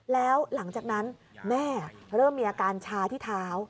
แล้วหลังจากนั้นแม่เริ่มมีอาการชาที่เท้า